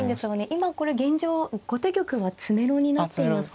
今これ現状後手玉は詰めろになっていますね。